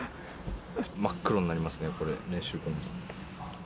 真っ黒になりますね、これ、練習後。